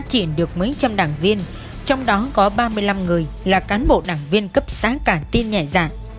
khi đi theo đảng cách mạng việt nam